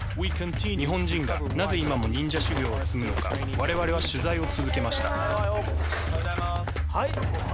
日本人がなぜ今も忍者修行をするのか我々は取材を続けました。